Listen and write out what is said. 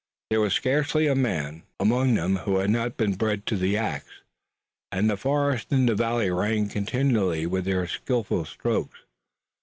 There was scarcely a man among them who had not been bred to the ax, and the forest in the valley rang continually with their skillful strokes.